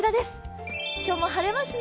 今日も晴れますね。